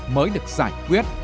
mới được giải quyết